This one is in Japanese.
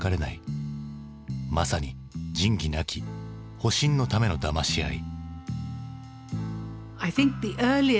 まさに仁義なき保身のためのだまし合い。